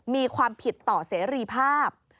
มีความผิดต่อเสรีภาพ